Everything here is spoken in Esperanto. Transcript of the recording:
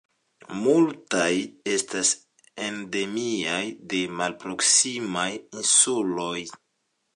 Multaj estas endemiaj de malproksimaj insuloj.